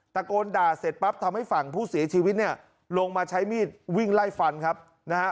ตะโกนด่าเสร็จปั๊บทำให้ฝั่งผู้เสียชีวิตเนี่ยลงมาใช้มีดวิ่งไล่ฟันครับนะฮะ